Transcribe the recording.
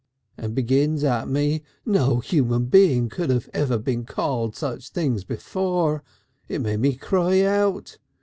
and begins at me.... No human being could ever have been called such things before. It made me cry out.